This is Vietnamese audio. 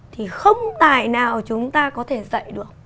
thì không tài nào chúng ta có thể dạy được